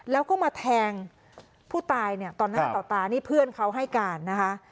แล้วก็มาแทงผู้ตายเนี่ยต่อหน้าต่อตานี่เพื่อนเขาให้การนะคะ